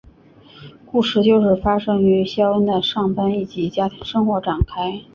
故事就是发生于肖恩的上班以及家庭生活展开。